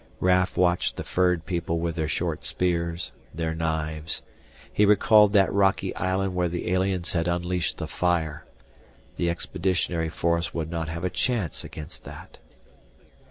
Raf watched the furred people with their short spears, their knives. He recalled that rocky island where the aliens had unleashed the fire. The expeditionary force would not have a chance against that.